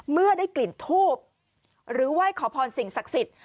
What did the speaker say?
เมื่อได้กลิ่นทูบหรือไหว้ขอพรสิ่งศักดิ์สิทธิ์